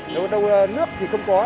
nếu nước thì không có